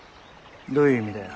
どういう意味だよ？